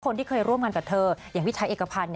คนที่เคยร่วมงานกับเธออย่างพี่ชายเอกพันธ์